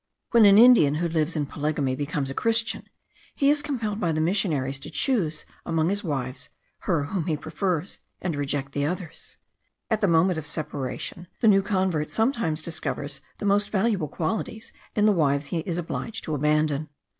When an Indian, who lives in polygamy, becomes a christian, he is compelled by the missionaries, to choose among his wives her whom he prefers, and to reject the others. At the moment of separation the new convert sometimes discovers the most valuable qualities in the wives he is obliged to abandon.